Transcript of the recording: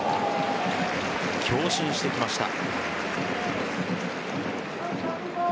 強振してきました。